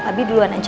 abi duluan aja